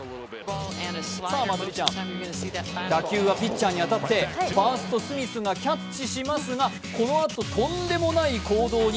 さあ、まつりちゃん、打球はピッチャーに当たってファースト・スミスがキャッチしますが、このあと、とんでもない行動に。